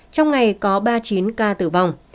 trong ngày có ba mươi chín ca tử vong